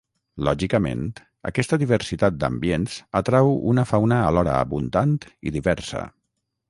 Lògicament aquesta diversitat d'ambients atrau una fauna alhora abundant i diversa.